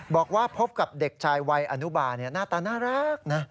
บอกว่าพบกับเด็กชายวัยอนุบาลหน้าตาน่ารักนะ